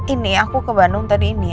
ini aku ke bandung tadi ini